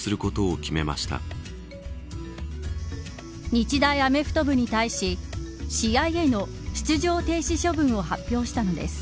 日大アメフト部に対し試合への出場停止処分を発表したのです。